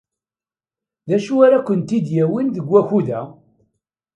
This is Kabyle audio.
D acu ara kent-id-yawin deg wakud-a?